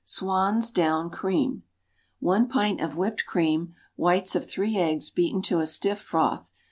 Swan's Down Cream. One pint of whipped cream. Whites of three eggs beaten to a stiff froth.